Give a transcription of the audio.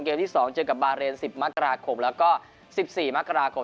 ที่๒เจอกับบาเรน๑๐มกราคมแล้วก็๑๔มกราคม